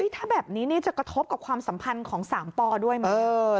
ถ้าแบบนี้จะกระทบกับความสัมพันธ์ของ๓ปด้วยไหม